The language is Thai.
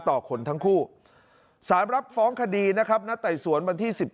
ขนทั้งคู่สารรับฟ้องคดีนะครับนัดไต่สวนวันที่๑๗